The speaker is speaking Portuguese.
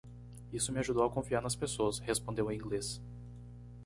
"Isso me ajudou a confiar nas pessoas?", respondeu o inglês.